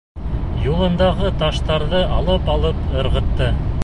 Юлындағы таштарҙы алып-алып ырғытты.